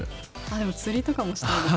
でも釣とかもしたいです。